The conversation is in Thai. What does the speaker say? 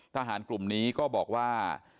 ทหารกลุ่มนี้ก็บอกว่า